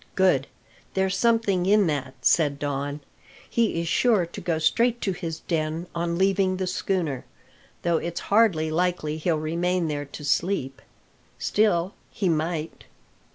"Good; there's something in that," said Don. "He is sure to go straight to his den on leaving the schooner, though it's hardly likely he'll remain there to sleep. Still, he might.